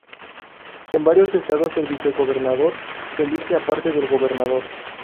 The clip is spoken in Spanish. En varios estados el vicegobernador se elige aparte del gobernador.